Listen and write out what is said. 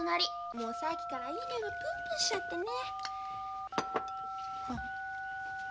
もうさっきからいい匂いがプンプンしちゃってね。